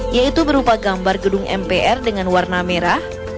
yaitu berupa gambar gedung mpr dengan warna merah